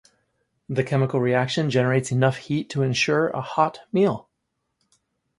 The chemical reaction generates enough heat to ensure a hot meal.